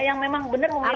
yang memang benar memiliki